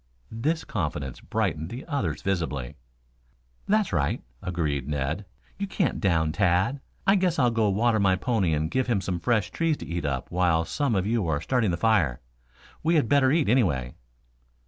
This confidence brightened the others visibly. "That's right," agreed Ned. "You can't down Tad. I guess I'll go water my pony and give him some fresh trees to eat up while some of you are starting the fire. We had better eat, anyway."